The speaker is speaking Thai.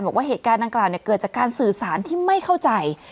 บอกว่าเหตุการณ์ดังกล่าวเกิดจากการสื่อสารที่ไม่เข้าใจ